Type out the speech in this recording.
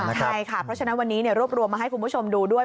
ใช่ค่ะเพราะฉะนั้นวันนี้รวบรวมมาให้คุณผู้ชมดูด้วย